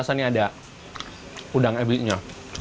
berasa ini ada udang ebi nya